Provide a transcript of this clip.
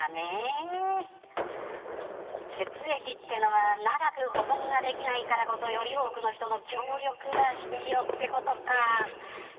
血液ってのは、長く保存ができないからこそより多くの人の協力が必要ってことか。